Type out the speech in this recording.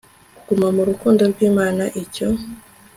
guma mu rukundo rw imana icyo